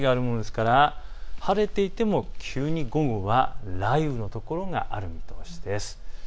晴れていても急に午後は雷雨の所がある見通しです。